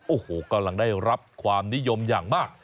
โอ้โหกำลังได้รับความนิยมอย่างมาก